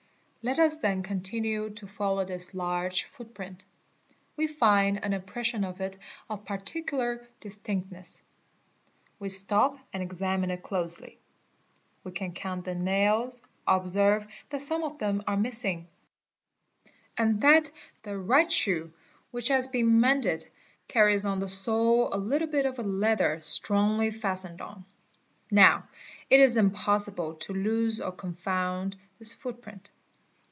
Let us then continue to follow this large footprint. We find an impression of it of particular "distinctness. We stop and examine it closely; we can count the nails, 486 FOOTPRINTS observe that some of them are missing, and that the right shoe which has been mended carries on the sole a little bit of leather strongly fastened on. Now it is impossible to lose or confound this footprint.